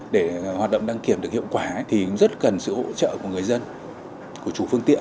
để hoạt động đăng kiểm được hiệu quả thì rất cần sự hỗ trợ của người dân của chủ phương tiện